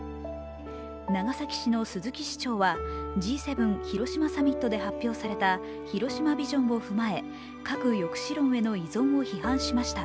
長崎市の鈴木市長はＧ７広島サミットで発表された広島ビジョンを踏まえ、核抑止論への依存を批判しました。